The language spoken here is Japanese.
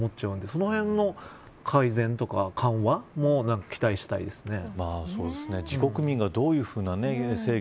そのへんの改善とか緩和を期待したいですね。